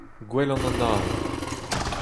Gouel an Anaon.